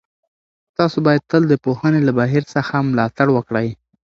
تاسو باید تل د پوهنې له بهیر څخه ملاتړ وکړئ.